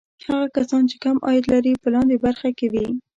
هغه کسان چې کم عاید لري په لاندې برخه کې وي.